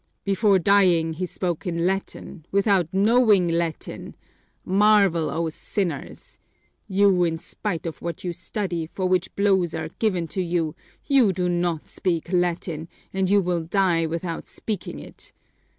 "Before dying he spoke in Latin, without knowing Latin! Marvel, O sinners! You, in spite of what you study, for which blows are given to you, you do not speak Latin, and you will die without speaking it!